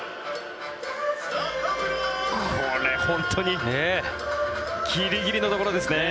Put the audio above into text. これ、本当にギリギリのところですね。